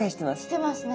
してますね。